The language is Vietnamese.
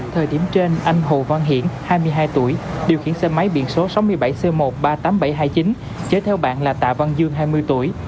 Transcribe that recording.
thời điểm trên anh hồ văn hiển hai mươi hai tuổi điều khiển xe máy biển số sáu mươi bảy c một trăm ba mươi tám nghìn bảy trăm hai mươi chín chở theo bạn là tạ văn dương hai mươi tuổi